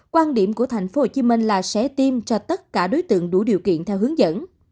quan điểm của thành phố hồ chí minh là sẽ tiêm cho tất cả đối tượng đủ điều kiện theo hướng dẫn